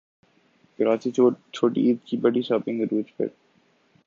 کراچی چھوٹی عید کی بڑی شاپنگ عروج پر